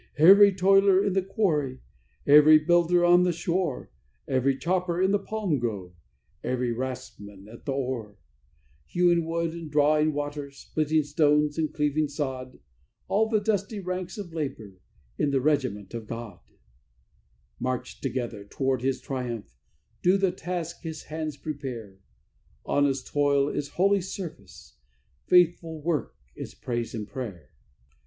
"Every toiler in the quarry, every builder on the shore, Every chopper in the palm grove, every raftsman at the oar, "Hewing wood and drawing water, splitting stones and cleaving sod, All the dusty ranks of labour, in the regiment of God, "March together toward His triumph, do the task His hands prepare: Honest toil is holy service; faithful work is praise and prayer."